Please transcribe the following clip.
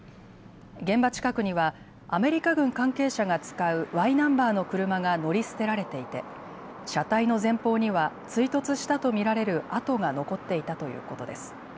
現場近くにはアメリカ軍関係者が使うＹナンバーの車が乗り捨てられていて車体の前方には追突したと見られる跡が残っていたということです。